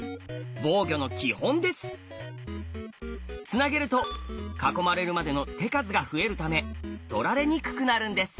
つなげると囲まれるまでの手数が増えるため取られにくくなるんです。